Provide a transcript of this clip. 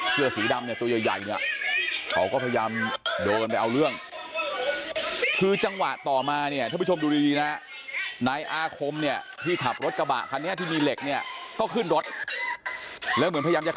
เสื้อสีดำเนี่ยตัวใหญ่เนี่ยเขาก็พยายามเดินไปเอาเรื่อง